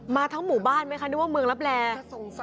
มาทั้งหมู่บ้านไหมคะนึกว่าเมืองลับแล